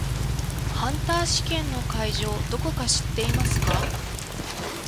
ハンター試験の会場どこか知っていますか？